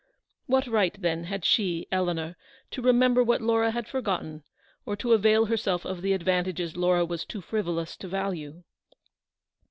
What right, then, had she, Eleanor, to remember what Laura had forgotten, or to avail herself of the advantages Laura was too frivolous to value